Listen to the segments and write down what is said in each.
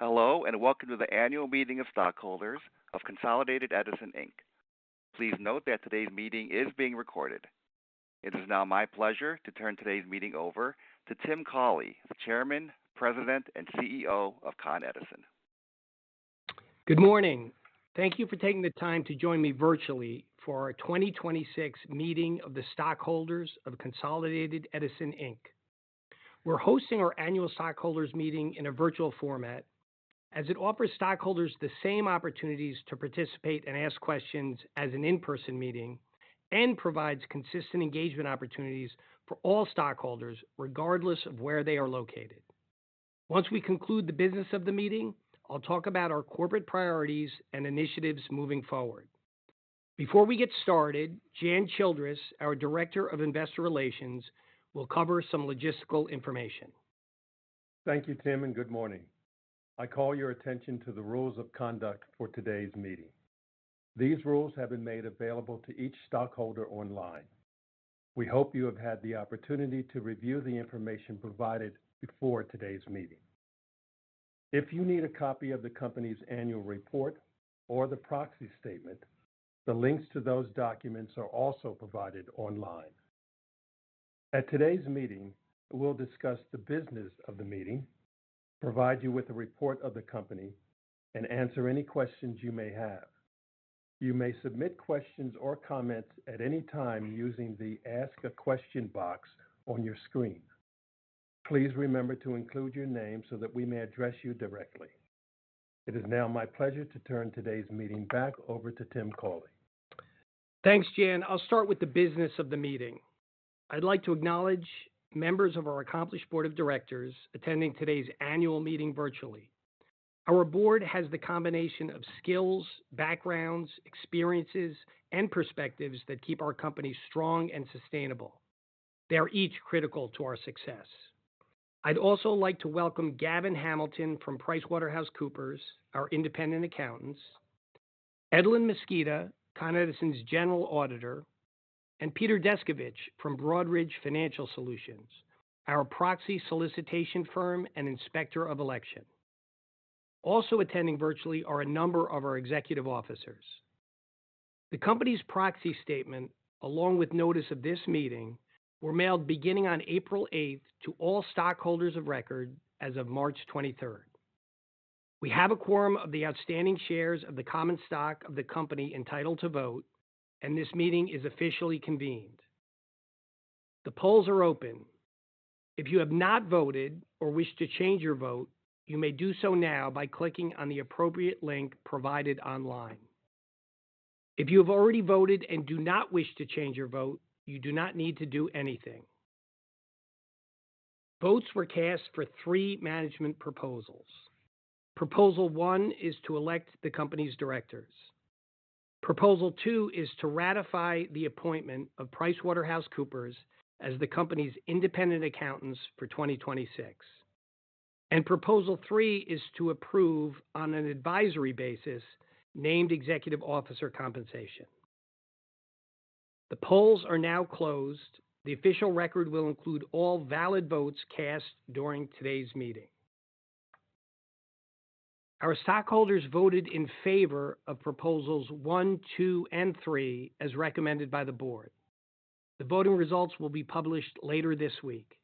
Hello, welcome to the Annual Meeting of stockholders of Consolidated Edison, Inc. Please note that today's meeting is being recorded. It is now my pleasure to turn today's meeting over to Tim Cawley, the Chairman, President, and CEO of Consolidated Edison. Good morning. Thank you for taking the time to join me virtually for our 2026 meeting of the stockholders of Consolidated Edison, Inc. We're hosting our annual stockholders meeting in a virtual format as it offers stockholders the same opportunities to participate and ask questions as an in-person meeting and provides consistent engagement opportunities for all stockholders, regardless of where they are located. Once we conclude the business of the meeting, I'll talk about our corporate priorities and initiatives moving forward. Before we get started, Jan Childress, our Director, Investor Relations, will cover some logistical information. Thank you, Tim, and good morning. I call your attention to the rules of conduct for today's meeting. These rules have been made available to each stockholder online. We hope you have had the opportunity to review the information provided before today's meeting. If you need a copy of the company's annual report or the proxy statement, the links to those documents are also provided online. At today's meeting, we will discuss the business of the meeting, provide you with a report of the company, and answer any questions you may have. You may submit questions or comments at any time using the Ask a Question box on your screen. Please remember to include your name so that we may address you directly. It is now my pleasure to turn today's meeting back over to Tim Cawley. Thanks, Jan. I'll start with the business of the meeting. I'd like to acknowledge members of our accomplished board of directors attending today's annual meeting virtually. Our board has the combination of skills, backgrounds, experiences, and perspectives that keep our company strong and sustainable. They're each critical to our success. I'd also like to welcome Gavin Hamilton from PricewaterhouseCoopers, our independent accountants, Edelyn Mosqueda, Consolidated Edison's General Auditor, and Peter Descovich from Broadridge Financial Solutions, our proxy solicitation firm and inspector of election. Also attending virtually are a number of our executive officers. The company's proxy statement, along with notice of this meeting, were mailed beginning on April 8th to all stockholders of record as of March 23rd. We have a quorum of the outstanding shares of the common stock of the company entitled to vote, and this meeting is officially convened. The polls are open. If you have not voted or wish to change your vote, you may do so now by clicking on the appropriate link provided online. If you have already voted and do not wish to change your vote, you do not need to do anything. Votes were cast for three management proposals. Proposal one is to elect the company's directors. Proposal two is to ratify the appointment of PricewaterhouseCoopers as the company's independent accountants for 2026. Proposal three is to approve on an advisory basis named executive officer compensation. The polls are now closed. The official record will include all valid votes cast during today's meeting. Our stockholders voted in favor of proposals one, two, and three as recommended by the board. The voting results will be published later this week.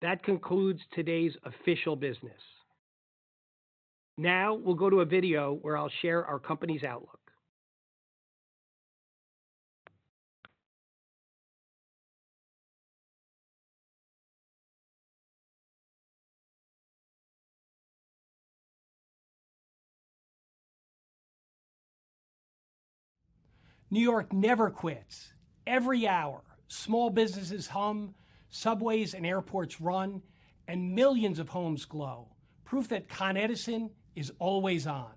That concludes today's official business. Now, we'll go to a video where I'll share our company's outlook. New York never quits. Every hour, small businesses hum, subways and airports run, and millions of homes glow. Proof that Consolidated Edison is always on.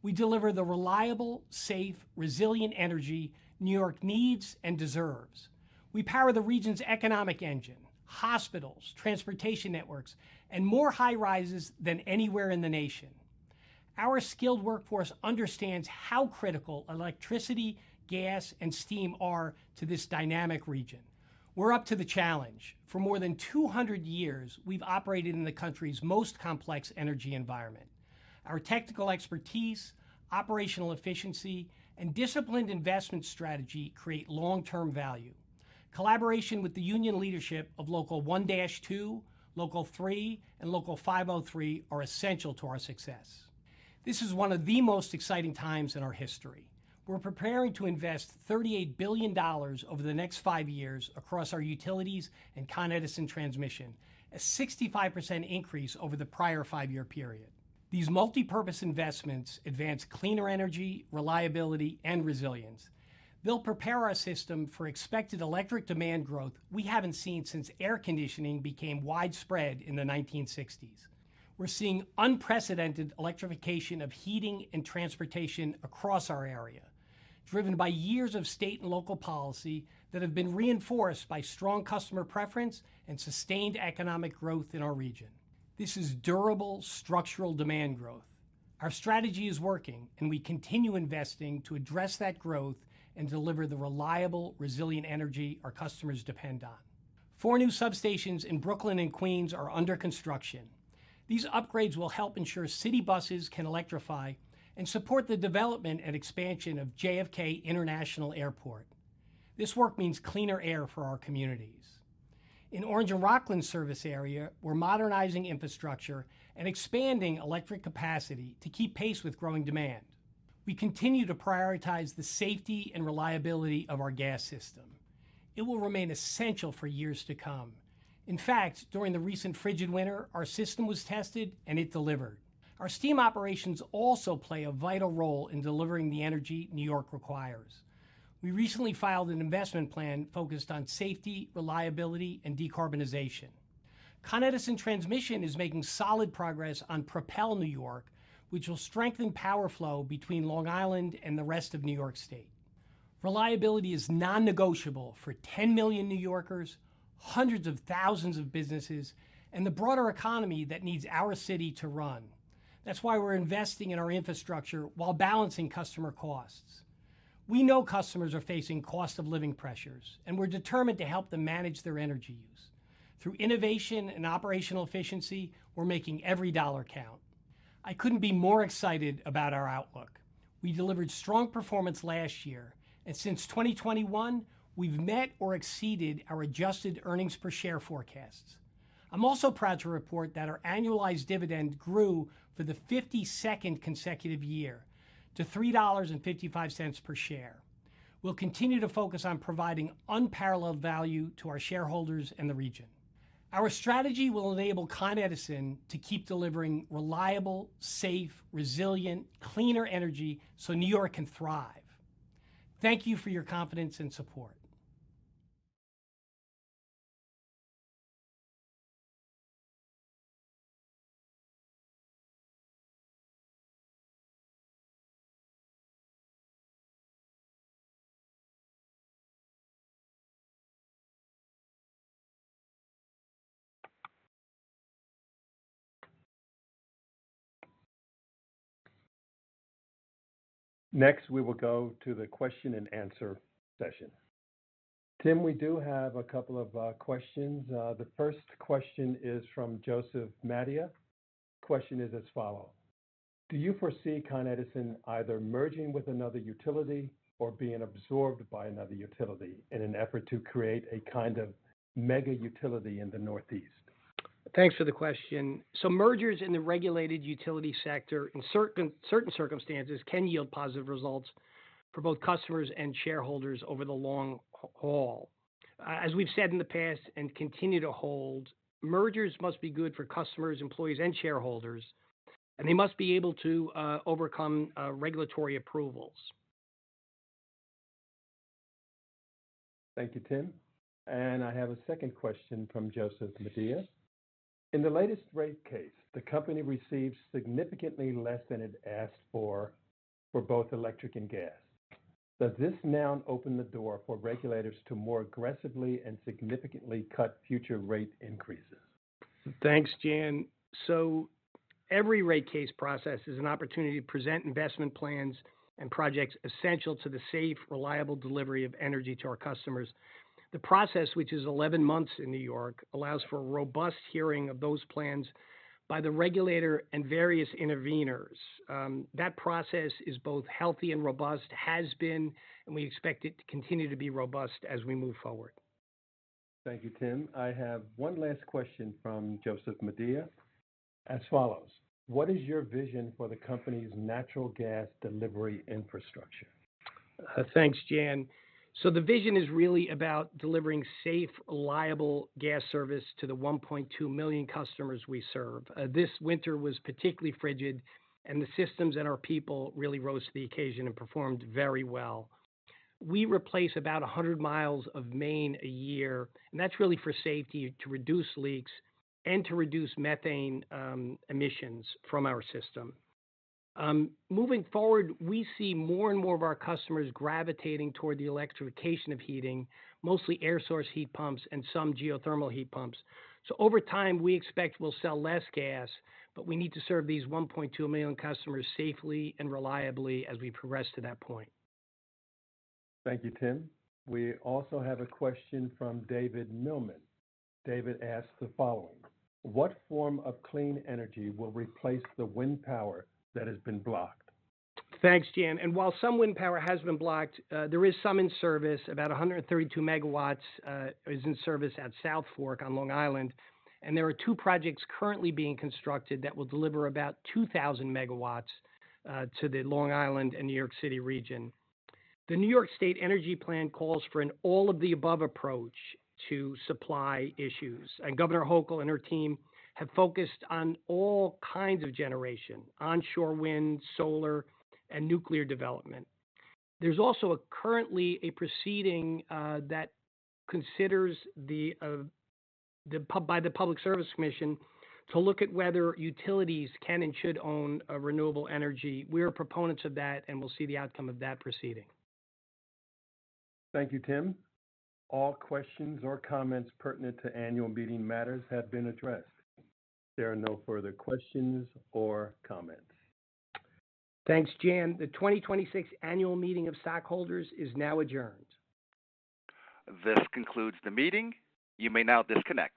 We deliver the reliable, safe, resilient energy New York needs and deserves. We power the region's economic engine, hospitals, transportation networks, and more high-rises than anywhere in the nation. Our skilled workforce understands how critical electricity, gas, and steam are to this dynamic region. We're up to the challenge. For more than 200 years, we've operated in the country's most complex energy environment. Our technical expertise, operational efficiency, and disciplined investment strategy create long-term value. Collaboration with the union leadership of Local 1-2, Local 3, and Local 503 are essential to our success. This is one of the most exciting times in our history. We're preparing to invest $38 billion over the next five years across our utilities and Consolidated Edison Transmission, a 65% increase over the prior five-year period. These multipurpose investments advance cleaner energy, reliability, and resilience. They'll prepare our system for expected electric demand growth we haven't seen since air conditioning became widespread in the 1960s. We're seeing unprecedented electrification of heating and transportation across our area, driven by years of state and local policy that have been reinforced by strong customer preference and sustained economic growth in our region. This is durable structural demand growth. Our strategy is working, and we continue investing to address that growth and deliver the reliable, resilient energy our customers depend on. Four new substations in Brooklyn and Queens are under construction. These upgrades will help ensure city buses can electrify and support the development and expansion of JFK International Airport. This work means cleaner air for our communities. In Orange and Rockland service area, we're modernizing infrastructure and expanding electric capacity to keep pace with growing demand. We continue to prioritize the safety and reliability of our gas system. It will remain essential for years to come. In fact, during the recent frigid winter, our system was tested, and it delivered. Our steam operations also play a vital role in delivering the energy New York requires. We recently filed an investment plan focused on safety, reliability, and decarbonization. Consolidated Edison Transmission is making solid progress on Propel New York, which will strengthen power flow between Long Island and the rest of New York State. Reliability is non-negotiable for 10 million New Yorkers, hundreds of thousands of businesses, and the broader economy that needs our city to run. That's why we're investing in our infrastructure while balancing customer costs. We know customers are facing cost of living pressures, and we're determined to help them manage their energy use. Through innovation and operational efficiency, we're making every dollar count. I couldn't be more excited about our outlook. We delivered strong performance last year, and since 2021, we've met or exceeded our adjusted earnings per share forecasts. I'm also proud to report that our annualized dividend grew for the 52nd consecutive year to $3.55 per share. We'll continue to focus on providing unparalleled value to our shareholders in the region. Our strategy will enable Consolidated Edison to keep delivering reliable, safe, resilient, cleaner energy so New York can thrive. Thank you for your confidence and support. Next, we will go to the question and answer session. Tim, we do have a couple of questions. The first question is from Joseph Mattia. Question is as follows. Do you foresee Consolidated Edison either merging with another utility or being absorbed by another utility in an effort to create a kind of mega utility in the Northeast? Thanks for the question. Mergers in the regulated utility sector in certain circumstances can yield positive results for both customers and shareholders over the long haul. As we've said in the past and continue to hold, mergers must be good for customers, employees, and shareholders, and they must be able to overcome regulatory approvals. Thank you, Tim. I have a second question from Joseph Mattia. In the latest rate case, the company received significantly less than it asked for both electric and gas. Does this now open the door for regulators to more aggressively and significantly cut future rate increases? Thanks, Jan. Every rate case process is an opportunity to present investment plans and projects essential to the safe, reliable delivery of energy to our customers. The process, which is 11 months in New York, allows for a robust hearing of those plans by the regulator and various interveners. That process is both healthy and robust, has been, and we expect it to continue to be robust as we move forward. Thank you, Tim. I have one last question from Joseph Mattia as follows. What is your vision for the company's natural gas delivery infrastructure? Thanks, Jan. The vision is really about delivering safe, reliable gas service to the 1.2 million customers we serve. This winter was particularly frigid, and the systems and our people really rose to the occasion and performed very well. We replace about 100 mi of main a year, and that's really for safety to reduce leaks and to reduce methane emissions from our system. Moving forward, we see more and more of our customers gravitating toward the electrification of heating, mostly air source heat pumps and some geothermal heat pumps. Over time, we expect we'll sell less gas, but we need to serve these 1.2 million customers safely and reliably as we progress to that point. Thank you, Tim. We also have a question from David Millman. David asks the following. What form of clean energy will replace the wind power that has been blocked? Thanks, Jan. While some wind power has been blocked, there is some in service. About 132 MW is in service at South Fork on Long Island, and there are two projects currently being constructed that will deliver about 2,000 MW to the Long Island and New York City region. The New York State Energy Plan calls for an all-of-the-above approach to supply issues. Governor Hochul and her team have focused on all kinds of generation, onshore wind, solar, and nuclear development. There's also currently a proceeding that considers by the New York State Public Service Commission to look at whether utilities can and should own a renewable energy. We are proponents of that, and we'll see the outcome of that proceeding. Thank you, Tim. All questions or comments pertinent to annual meeting matters have been addressed. There are no further questions or comments. Thanks, Jan. The 2026 Annual Meeting of stockholders is now adjourned. This concludes the meeting. You may now disconnect.